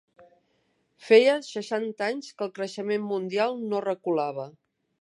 Feia seixanta anys que el creixement mundial no reculava.